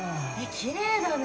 きれいだね。